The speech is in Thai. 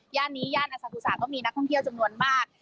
นี้ย่านอสาสุสาก็มีนักท่องเที่ยวจำนวนมาก